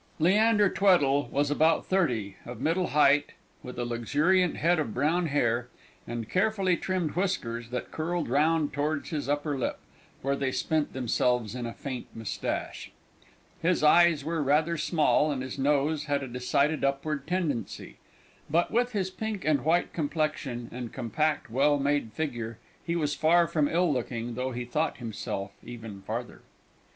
Leander Tweddle was about thirty, of middle height, with a luxuriant head of brown hair, and carefully trimmed whiskers that curled round towards his upper lip, where they spent themselves in a faint moustache. His eyes were rather small, and his nose had a decided upward tendency; but, with his pink and white complexion and compact well made figure, he was far from ill looking, though he thought himself even farther.